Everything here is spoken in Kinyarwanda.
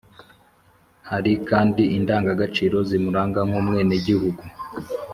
hari kandi indangagaciro zimuranga nk' umwenegihugu.